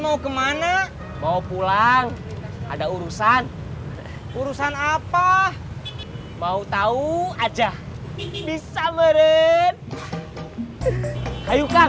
mau kemana mau pulang ada urusan urusan apa mau tahu aja bisa meren hayukang